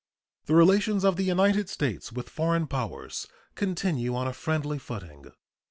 The relations of the United States with foreign powers continue on a friendly footing.